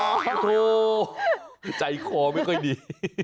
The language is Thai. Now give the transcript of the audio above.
โอ้โหใจคอไม่ค่อยดี